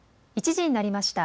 １時になりました。